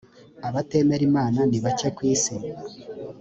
abatemera imana nibake kwisi.